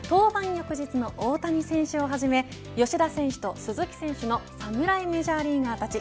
翌日の大谷選手をはじめ吉田選手と鈴木選手の侍メジャーリーガーたち。